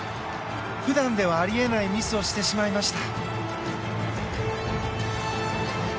普段ではあり得ないミスをしてしまいました。